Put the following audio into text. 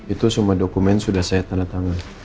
itu semua dokumen sudah saya tanda tangan